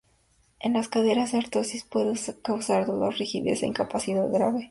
En las caderas la artrosis puede causar dolor, rigidez e incapacidad grave.